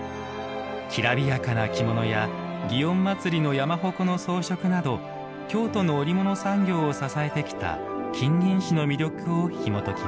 きらびやかな着物や、祇園祭の山鉾の装飾など京都の織物産業を支えてきた金銀糸の魅力をひもときます。